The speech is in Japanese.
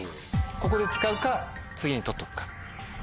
ここで使うか次に取っとくか。